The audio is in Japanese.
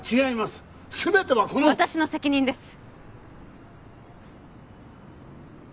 すべてはこの私の責任です